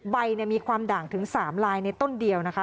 ใบมีความด่างถึง๓ลายในต้นเดียวนะคะ